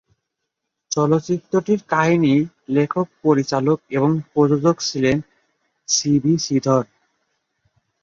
চলচ্চিত্রটির কাহিনী লেখক, পরিচালক এবং প্রযোজক ছিলেন সি ভি শ্রীধর।